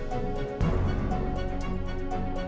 tidak ada apa apa